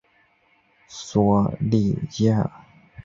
索利耶尔。